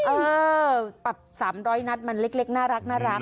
เออปรับ๓๐๐นัดมันเล็กน่ารัก